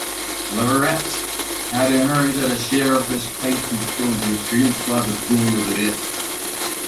Leverett had inherited a share of this patent from his grandfather John Leverett.